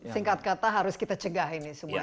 singkat kata harus kita cegah ini semua